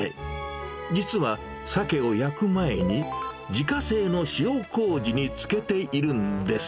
実は、サケを焼く前に、自家製の塩こうじに漬けているんです。